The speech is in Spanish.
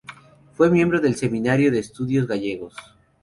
Fue miembro del Seminario de Estudios Gallegos.